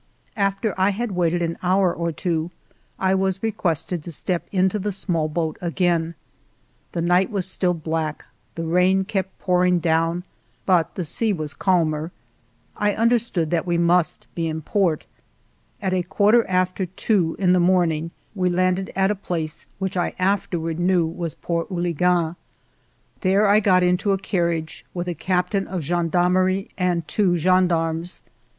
After I had waited an hour or two, I was requested to step into the small boat again. The night was still black, the rain kept pouring down, but the sea was calmer. I understood that we must be in port. At a quarter after two in the morning we landed at a place which I afterward knew was Port Houli uen. ALFRED DREYFUS 299 There I got into a carriage, with a captain of gendarmerie and two gendarmes.